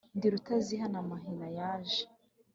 Ndi Rutazihana amahina yaje,